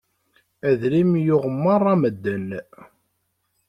Adrim yuɣ meṛṛa medden.